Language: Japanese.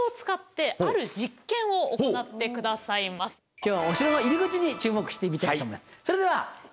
今日はお城の入り口に注目してみたいと思います。